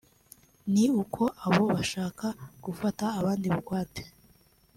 ni uko abo bashaka gufata abandi bugwate